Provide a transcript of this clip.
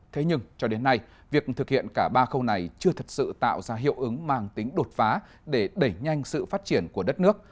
thế nhưng cho đến nay việc thực hiện cả ba khâu này chưa thật sự tạo ra hiệu ứng mang tính đột phá để đẩy nhanh sự phát triển của đất nước